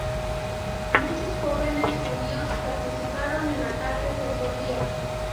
Muchos jóvenes judíos participaron en ataques en Sofía.